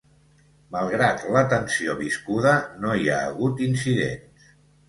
Malgrat la tensió viscuda, no hi ha hagut incidents.